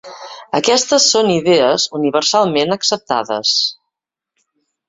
Aquestes són idees universalment acceptades.